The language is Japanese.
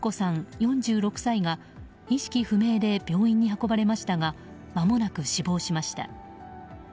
４６歳が意識不明で病院に運ばれましたがまもなく死亡しました。